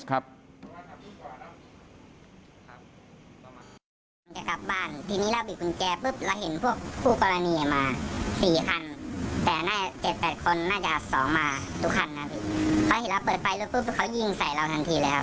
จะกลับบ้านทีนี้เราบิดกุญแจปุ๊บเราเห็นพวกผู้กรณีมา๔คัน